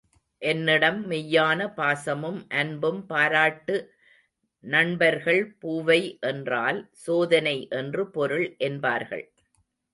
என்னிடம் மெய்யான பாசமும் அன்பும் பாராட்டு நண்பர்கள், பூவை என்றால், சோதனை என்று பொருள் என்பார்கள்.